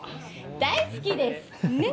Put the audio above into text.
大好きです。